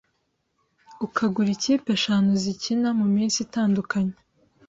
ukagura ikipe eshanu zikina mu minsi itandukanye